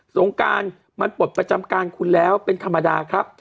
สงการมันปลดประจำการคุณแล้วเป็นธรรมดาครับ